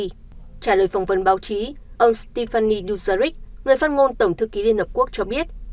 trả lời phỏng vấn báo chí ông stefany duzarik người phát ngôn tổng thư ký liên hợp quốc cho biết